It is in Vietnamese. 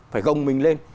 phải gồng mình lên